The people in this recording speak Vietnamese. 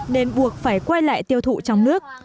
nên buộc phải quay lại tiêu thụ trong nước